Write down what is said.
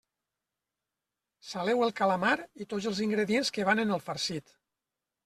Saleu el calamar i tots els ingredients que van en el farcit.